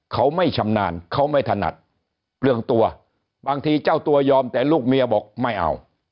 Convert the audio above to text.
เขาไม่ชำนาญเขาไม่ถนัดเปลืองตัวบางทีเจ้าตัวยอมแต่ลูกเมียบอกไม่เอา